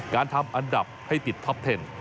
ทำอันดับให้ติดท็อปเทน